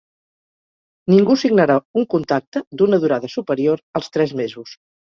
Ningú signarà un contacte d'una durada superior als tres mesos.